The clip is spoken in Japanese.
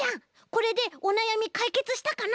これでおなやみかいけつしたかな？